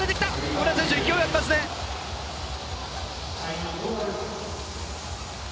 武良選手勢いありますね。